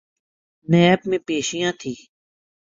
NAB میں پیشیاں تھیں۔